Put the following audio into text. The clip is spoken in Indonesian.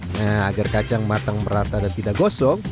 nah agar kacang matang merata dan tidak gosong